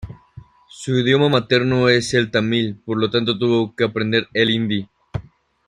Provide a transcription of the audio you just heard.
Su idioma materno es el tamil por lo tanto tuvo que aprender el hindi.